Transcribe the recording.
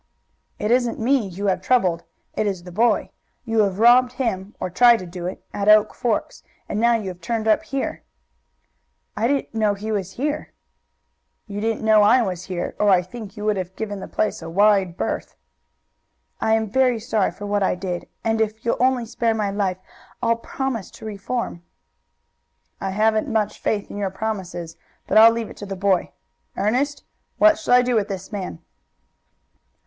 "It isn't me you have troubled. It is the boy. You robbed him, or tried to do it, at Oak Forks, and now you have turned up here." "I didn't know he was here." "You didn't know I was here, or I think you would have given the place a wide berth." "I am very sorry for what I did, and if you'll only spare my life, I'll promise to reform." "I haven't much faith in your promises, but I'll leave it to the boy. Ernest, what shall I do with this man?"